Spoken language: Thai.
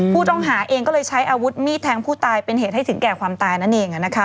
ผู้ต้องหาเองก็เลยใช้อาวุธมีดแทงผู้ตายเป็นเหตุให้ถึงแก่ความตายนั่นเอง